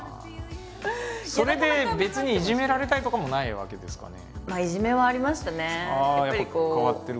それで別にいじめられたりとかもないわけですかね。